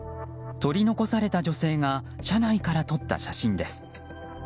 取り残された女性が車内から撮った写真です。